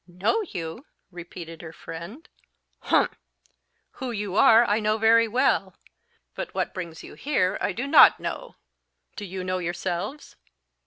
"Know you!" repeated her friend "humph! Who you are, I know very well; but what brings you here, I do not know. Do you know yourselves?"